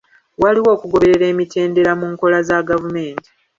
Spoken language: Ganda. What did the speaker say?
Waliwo okugoberera emitendera mu nkola za gavumenti.